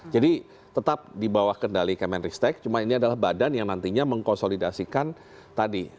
jadi tetap di bawah kendali kemenristek cuma ini adalah badan yang nantinya mengkonsolidasikan tadi